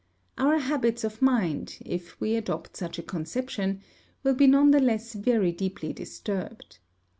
Our habits of mind, if we adopt such a conception, will be none the less very deeply disturbed.